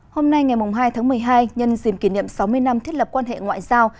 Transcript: hôm nay ngày hai tháng một mươi hai nhân dìm kỷ niệm sáu mươi năm thiết lập quan hệ ngoại giao